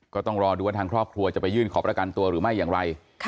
ก็ต้องรอดูว่าทางครอบครัวจะไปยื่นขอประกันตัวหรือไม่อย่างไร